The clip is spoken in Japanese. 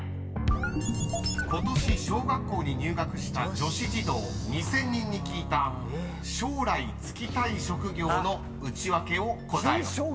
［ことし小学校に入学した女子児童２，０００人に聞いた将来就きたい職業のウチワケを答えろ］